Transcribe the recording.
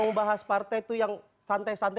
kalau mau bahas partai tuh yang santai santai